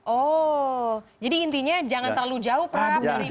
oh jadi intinya jangan terlalu jauh prabu dari empat menit